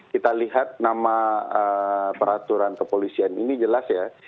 kita lihat nama peraturan kepolisian ini jelas ya